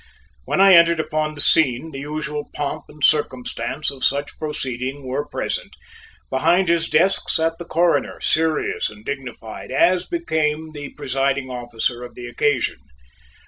When I entered upon the scene, the usual pomp and circumstance of such proceeding were present. Behind his desk sat the Coroner, serious and dignified, as became the presiding officer of the occasion.